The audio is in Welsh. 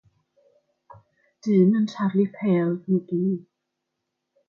Dyn yn taflu pêl i gi.